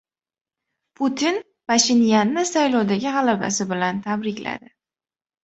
Putin Pashinyanni saylovdagi g‘alabasi bilan tabrikladi